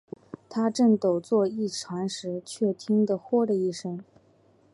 他正抖作一团时，却听得豁的一声